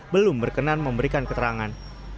belum berkenan memberikan keterangan